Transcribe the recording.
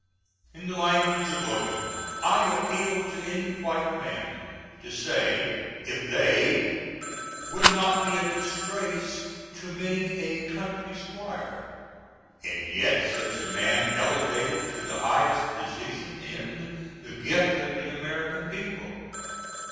In the language of Logan, "I appeal to any white man" to say if they would not be a disgrace to many a "Country 'Squire"! And yet such a man elevated to the highest position in the gift of the American people!